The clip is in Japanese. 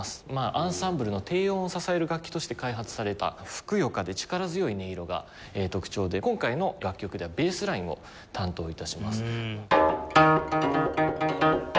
アンサンブルの低音を支える楽器として開発されたふくよかで力強い音色が特徴で今回の楽曲ではベースラインを担当致します。